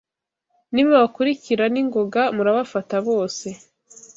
Nimubakurikira n’ingoga murabafata bose